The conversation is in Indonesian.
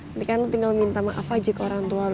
nanti kan lo tinggal minta maaf aja ke orang tua lo